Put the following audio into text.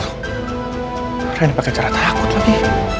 keren pake cara takut lagi